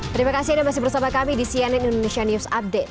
terima kasih anda masih bersama kami di cnn indonesia news update